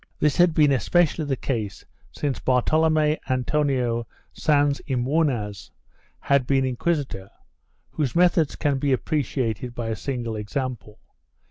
This had been espe cially the case since Bartolome Antonio Sans y Munoz had been inquisitor, whose methods can be appreciated by a single example.